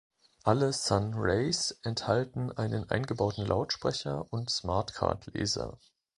Alle Sun Rays enthalten einen eingebauten Lautsprecher und Smartcard-Leser.